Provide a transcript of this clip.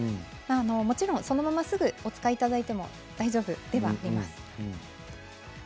もちろんそのまますぐお使いいただいても大丈夫ではあります。